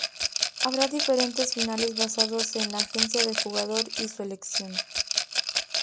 Habrá diferentes finales basados en la agencia del jugador y su elección.